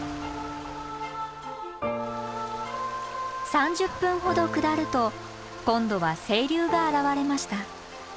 ３０分ほど下ると今度は清流が現れました。